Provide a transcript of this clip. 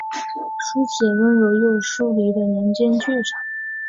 书写温柔又疏离的人间剧场。